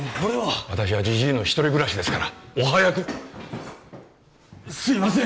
私はじじいの一人暮らしですからお早くッすいません